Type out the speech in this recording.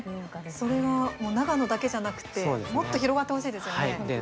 それが長野だけじゃなくてもっと広がってほしいですよね。